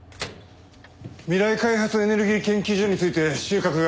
未来開発エネルギー研究所について収穫があった。